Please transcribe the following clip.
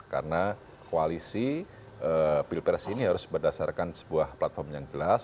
karena koalisi pilpres ini harus berdasarkan sebuah platform yang jelas